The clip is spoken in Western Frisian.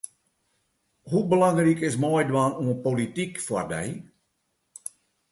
Hoe belangryk is meidwaan oan polityk foar dy?